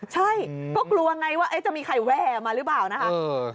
ใช่ก็กลัวไงว่าจะมีใครแวร์มาหรือเปล่านะคะ